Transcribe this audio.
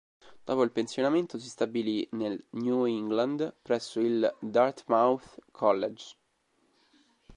Dopo il pensionamento si stabilì nel New England, presso il Dartmouth College.